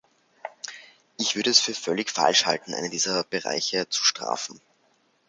Ich würde es für völlig falsch halten, einen dieser Bereiche zu strafen.